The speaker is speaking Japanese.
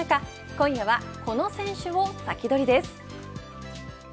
今夜はこの選手をサキドリです。